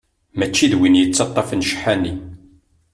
Mačči d win yettaṭṭafen ccḥani.